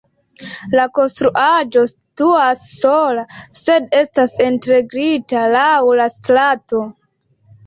La konstruaĵo situas sola, sed estas integrita laŭ la strato.